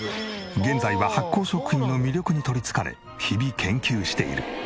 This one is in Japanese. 現在は発酵食品の魅力に取り憑かれ日々研究している。